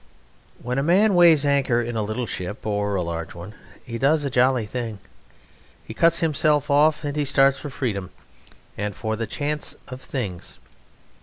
When a man weighs anchor in a little ship or a large one he does a jolly thing! He cuts himself off and he starts for freedom and for the chance of things.